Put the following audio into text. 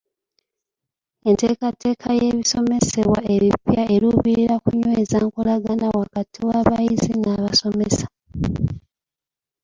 Enteekateeka y'ebisomesebwa ebipya eruubirira kunyweza nkolagana wakati w'abayizi n'abasomesa.